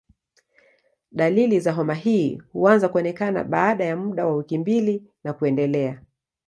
Dalili za homa hii huanza kuonekana baada ya muda wa wiki mbili na kuendelea.